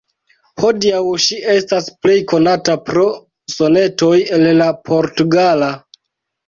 Hodiaŭ ŝi estas plej konata pro "Sonetoj el la Portugala".